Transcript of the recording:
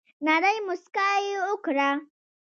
نرۍ مسکا یي وکړه